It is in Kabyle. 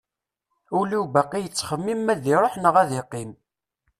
Ul-iw baqi yettxemmim ma ad iruḥ neɣ ad yeqqim.